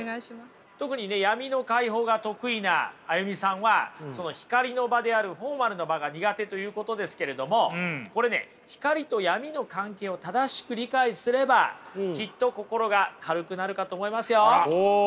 特にね闇の解放が得意なＡＹＵＭＩさんはその光の場であるフォーマルな場が苦手ということですけれどもこれね光と闇の関係を正しく理解すればきっと心が軽くなるかと思いますよ。